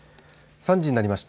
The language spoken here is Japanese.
３時になりました。